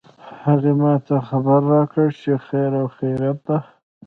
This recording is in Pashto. هغې ما ته خبر راکړ چې خیر او خیریت ده